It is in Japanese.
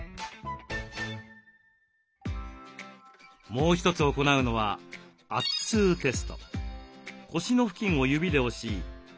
もう一つ行うのは「圧痛テスト」。